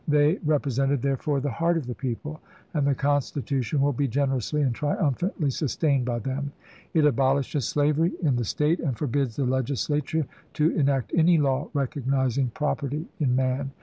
They repre sented, therefore, the heart of the people, and the Constitution will be generously and triumphantly sustained by them. It abolishes slavery in the State and forbids the Legislature to enact any law recognizing property in man.